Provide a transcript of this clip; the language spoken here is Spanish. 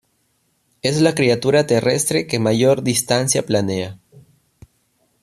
Es la criatura terrestre que mayor distancia planea.